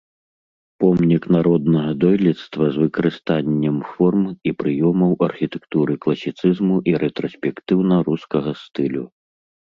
Помнік народнага дойлідства з выкарыстаннем форм і прыёмаў архітэктуры класіцызму і рэтраспектыўна-рускага стылю.